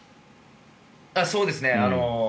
そうですね。